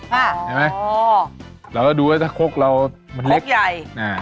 เห็นไหมอ๋อเราก็ดูว่าถ้าคกเรามันเล็กใหญ่